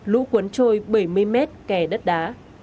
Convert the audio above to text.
lũ cuốn trôi bảy mươi mét kè đất đá